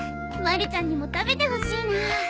まるちゃんにも食べてほしいなあ。